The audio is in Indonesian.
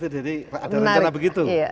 jadi ada rencana begitu